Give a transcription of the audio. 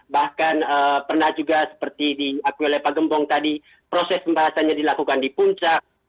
bahkan pernah juga seperti di akwile pagembong tadi proses pembahasannya dilakukan di puncak